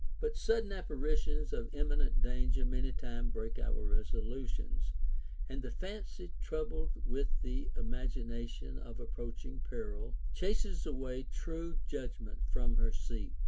t But sudden apparitions of imminent danger many times break our resolutions ; and the fancy troubled with the imagination of approaching peril chases away true judg ment from her seat.